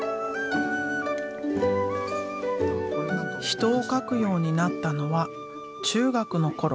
人を描くようになったのは中学の頃。